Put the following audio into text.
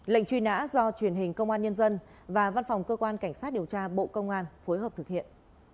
lệnh truy nã do truyền hình công an nhân dân và văn phòng cơ quan cảnh sát điều tra bộ công an phối hợp thực hiện